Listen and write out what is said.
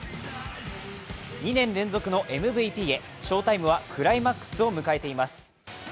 ２年連続のＭＶＰへ、翔タイムはクライマックスを迎えています。